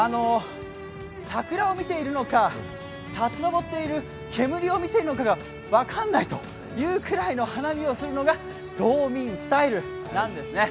桜を見ているのか、立ち上っている煙を見ているのか分からないという花見をするのが道民スタイルなんですね。